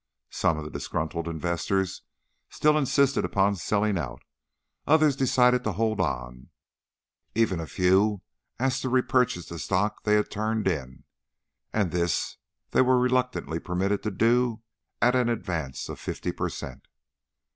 Some of the disgruntled investors still insisted upon selling out; others decided to hold on; even a few asked to repurchase the stock they had turned in, and this they were reluctantly permitted to do at an advance of fifty per cent.